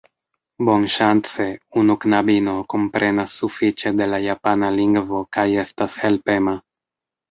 Bonŝance, unu knabino komprenas sufiĉe de la japana lingvo kaj estas helpema.